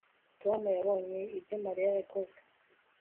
tom yabonye ibyo mariya yakoze